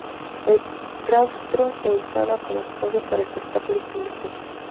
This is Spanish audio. El claustro se usaba como espacio para espectáculos públicos.